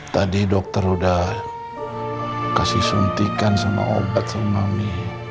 tadi dokter udah kasih suntikan sama obat sama mami